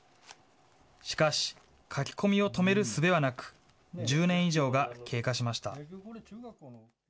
しかし、書き込みを止めるすべはなく、１０年以上が経過しました。